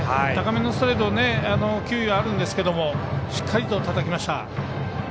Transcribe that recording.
高めのストレート球威はあるんですけどしっかりとたたきました。